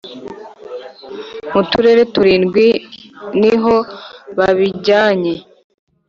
Mu turere turindwi niho babijyanye